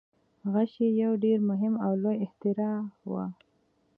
غشی یو ډیر مهم او لوی اختراع و.